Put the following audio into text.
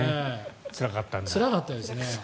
つらかったですね。